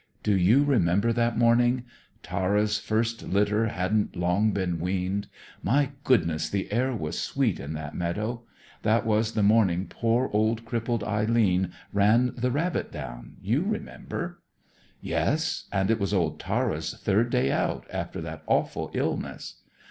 Do you remember that morning? Tara's first litter hadn't long been weaned. My goodness, the air was sweet in that meadow! That was the morning poor old crippled Eileen ran the rabbit down, you remember." "Yes, and it was old Tara's third day out, after that awful illness.